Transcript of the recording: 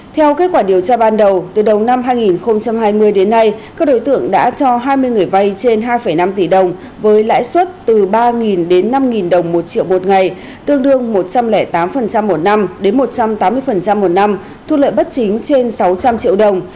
theo kết quả điều tra ban đầu từ đầu năm hai nghìn hai mươi đến nay các đối tượng đã cho hai mươi người vay trên hai năm tỷ đồng với lãi suất từ ba đến năm đồng một triệu một ngày tương đương một trăm linh tám một năm đến một trăm tám mươi một năm thu lợi bất chính trên sáu trăm linh triệu đồng